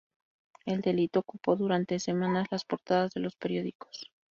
El delito ocupó durante semanas las portadas de los periódicos.